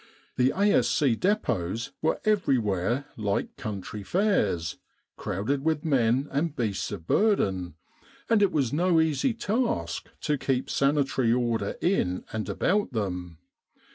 The A.S.C. dep6ts were everywhere like country fairs, crowded with men and beasts of burden ; and it was no easy task to keep sanitary order in and about them.